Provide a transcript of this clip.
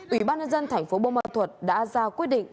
ủy ban nhân dân tp bô ma thuật đã ra quyết định